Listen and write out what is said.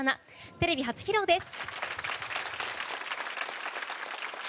テレビ初披露です。